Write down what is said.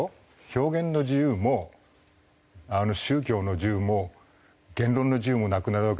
表現の自由も宗教の自由も言論の自由もなくなるわけだ。